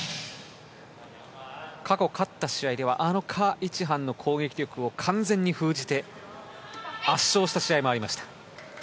過去、勝った試合ではあの、カ・イチハンの攻撃力を完全に封じて圧勝した試合もありました。